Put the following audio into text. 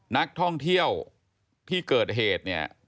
นักท่องเที่ยวที่เกิดเหตุเนี่ย